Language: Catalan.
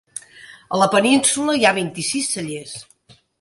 A la península hi ha vint-i-sis cellers.